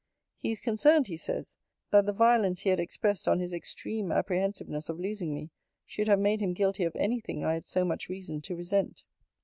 He is concerned, he says, 'That the violence he had expressed on his extreme apprehensiveness of losing me, should have made him guilty of any thing I had so much reason to resent.'